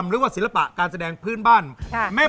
อารมณ์ไม่เข้าดีเท่าไหร่เลยวันนี้